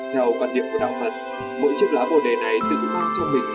theo quan điểm của đạo phận mỗi chiếc lá bồ đề này tự bán cho mình